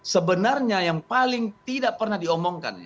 sebenarnya yang paling tidak pernah diomongkan